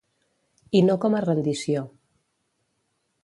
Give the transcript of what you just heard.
I no com a rendició.